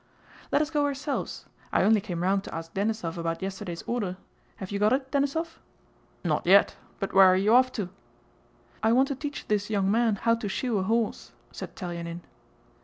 "Let us go ourselves. I only came round to ask Denísov about yesterday's order. Have you got it, Denísov?" "Not yet. But where are you off to?" "I want to teach this young man how to shoe a horse," said Telyánin.